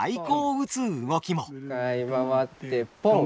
１回回ってポン。